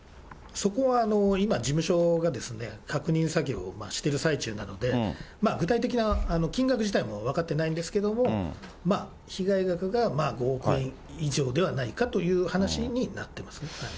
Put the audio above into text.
そこは今、事務所が確認作業をしてる最中なので、具体的な金額自体も分かってないんですけれども、被害額が５億円以上ではないかという話になってますね。